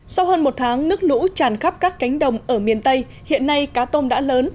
sau hơn một tháng nước lũ tràn khắp các cánh đồng ở miền tây hiện nay cá tôm đã lớn